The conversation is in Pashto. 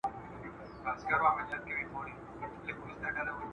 د برېتانیا بازارونه د افغان لاسي صنایعو لپاره څنګه دي؟